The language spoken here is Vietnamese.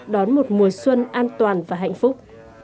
đón một mùa xuân an toàn và hạnh phúc